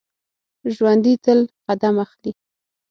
ژوندي تل قدم اخلي